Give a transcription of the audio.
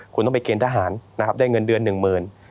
คุณต้องไปเกณฑหารนะครับได้เงินเดือนหนึ่งหมื่น